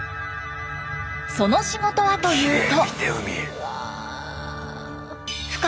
その仕事はというと。